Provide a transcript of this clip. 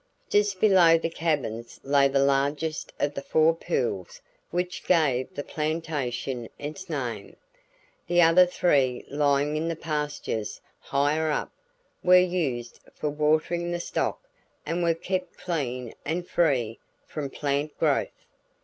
Just below the cabins lay the largest of the four pools which gave the plantation its name. The other three lying in the pastures higher up were used for watering the stock and were kept clean and free from plant growth.